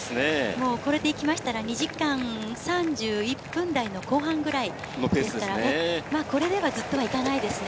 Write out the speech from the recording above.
もうこれでいきましたら、２時間３１分台の後半ぐらいですから、これではずっとはいかないですね。